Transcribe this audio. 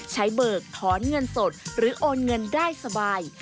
เบิกถอนเงินสดหรือโอนเงินได้สบาย